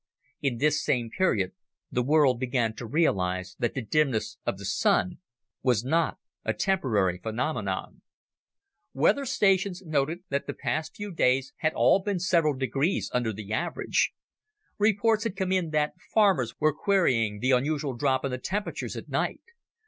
In this same period, the world began to realize that the dimness of the sky was not a temporary phenomenon. Weather stations noted that the past few days had all been several degrees under the average. Reports had come in that farmers were querying the unusual drop in the temperatures at night.